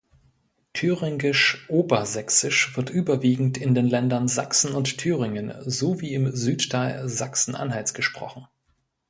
Thüringisch-Obersächsisch wird überwiegend in den Ländern Sachsen und Thüringen sowie im Südteil Sachsen-Anhalts gesprochen.